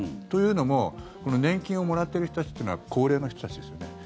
というのも、年金をもらってる人たちというのは高齢の人たちですよね。